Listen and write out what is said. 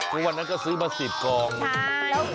แต่วันนั้นก็ซื้อมา๑๐กล่องใช่